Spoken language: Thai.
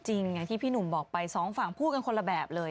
อย่างที่พี่หนุ่มบอกไปสองฝั่งพูดกันคนละแบบเลย